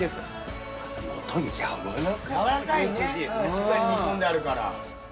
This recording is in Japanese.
しっかり煮込んである。